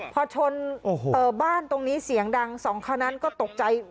พอชนบ้านตรงนี้เสียงดังสองคันนั้นก็ตกใจ